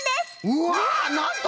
うわなんと！